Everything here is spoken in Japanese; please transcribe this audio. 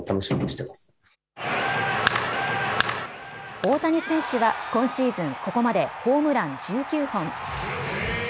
大谷選手は今シーズン、ここまでホームラン１９本。